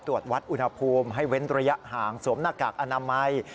ตรวจวัดอุณหภูมิให้เว้นระยะห่างสวมหน้ากากอนามัย